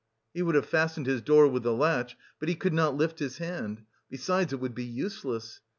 He would have fastened his door with the latch, but he could not lift his hand... besides, it would be useless.